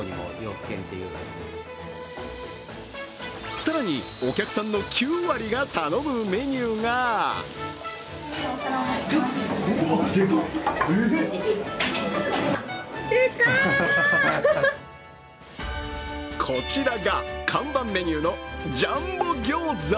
更に、お客さんの９割が頼むメニューがこちらが看板メニューのジャンボギョーザ。